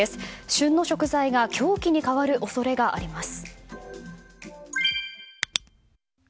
旬の食材が凶器に変わる恐れがあります。